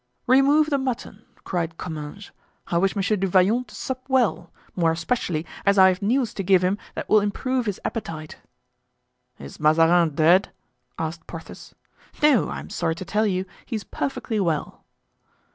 "Remove the mutton," cried Comminges; "I wish Monsieur du Vallon to sup well, more especially as I have news to give him that will improve his appetite." "Is Mazarin dead?" asked Porthos. "No; I am sorry to tell you he is perfectly well."